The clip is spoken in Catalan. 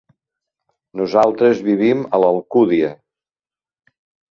Nosaltres vivim a l'Alcúdia.